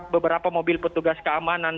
beberapa mobil petugas keamanan